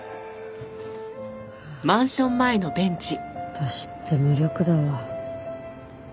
私って無力だわ。